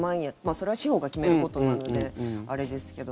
それは司法が決めることなのであれですけど。